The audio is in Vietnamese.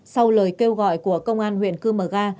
sau lời kêu gọi của công an huyện chimuga